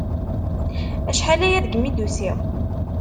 Acḥal-aya degmi d-usiɣ!